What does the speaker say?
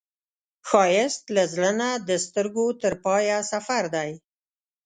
ښایست له زړه نه د سترګو تر پایه سفر دی